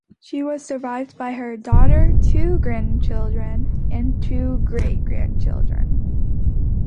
She was survived by her daughter, two grandchildren and two great-grandchildren.